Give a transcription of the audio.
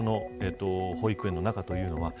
保育園の中というのは。